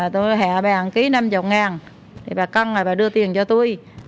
tôi hẹ bè một ký năm mươi ngàn thì bà căng rồi bà đưa tiền cho tôi